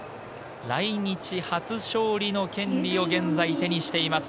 来日初勝利の権利を現在手にしています。